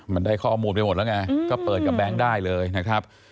มันได้ข้อมูลไปหมดแล้วไงก็เปิดกับแบงค์ได้เลยนะครับ